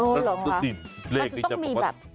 มันจะต้องมีรูปรักษณ์อย่างไร